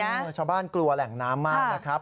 นะเธอแบบนั้นว่าชาวบ้านกลัวแหล่งน้ำมากนะครับ